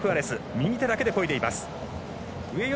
右手だけでこいでいます。